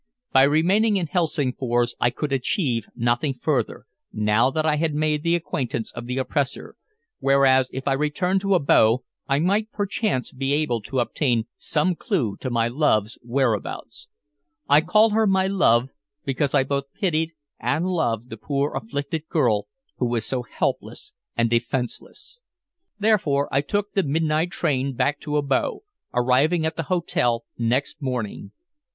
By remaining in Helsingfors I could achieve nothing further, now that I had made the acquaintance of the oppressor, whereas if I returned to Abo I might perchance be able to obtain some clue to my love's whereabouts. I call her my love because I both pitied and loved the poor afflicted girl who was so helpless and defenseless. Therefore I took the midnight train back to Abo, arriving at the hotel next morning.